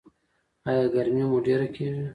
ایا ګرمي مو ډیره کیږي؟